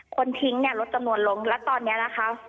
คนทิ้งเนี่ยลดจำนวนลงแล้วตอนนี้นะคะ